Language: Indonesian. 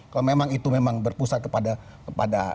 kalau memang itu memang berpusat kepada